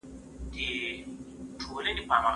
زه هره ورځ تمرين کوم!؟